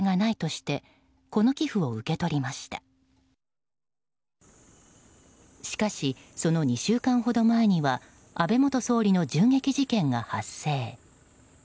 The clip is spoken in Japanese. しかし、その２週間ほど前には安倍元総理の銃撃事件が発生。